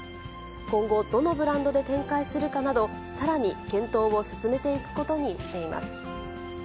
今後、どのブランドで展開するかなど、さらに検討を進めていくことにしています。